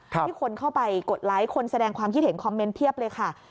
ที่คนเข้าไปกดไลค์คนแสดงความคิดเห็นคอมเมนต์เพียบเลยค่ะ